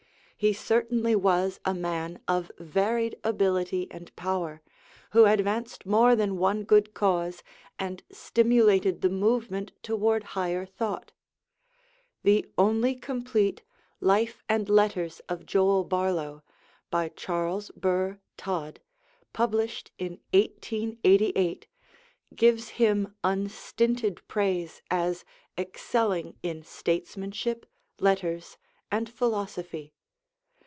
He certainly was a man of varied ability and power, who advanced more than one good cause and stimulated the movement toward higher thought. The only complete 'Life and Letters of Joel Barlow,' by Charles Burr Todd, published in 1888, gives him unstinted praise as excelling in statesmanship, letters, and philosophy.